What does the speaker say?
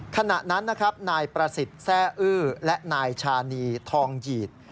ขณะนั้นนะครับนายประสิทธิ์แทร่อื้อและนายชานีทองหยีด